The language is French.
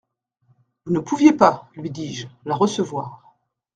Vous ne pouviez pas, lui dis-je, la recevoir.